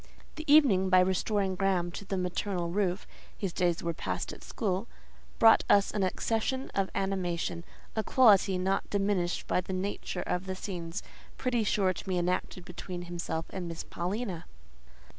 The evening, by restoring Graham to the maternal roof (his days were passed at school), brought us an accession of animation—a quality not diminished by the nature of the scenes pretty sure to be enacted between him and Miss Paulina.